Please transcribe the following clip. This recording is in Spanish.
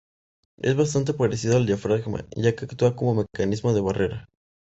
Es bastante parecido al diafragma, ya que actúa como mecanismo de barrera.